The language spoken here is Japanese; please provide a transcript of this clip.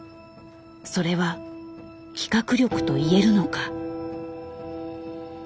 それは企画力と言えるのか。